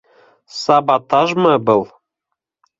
Саботажмы был?!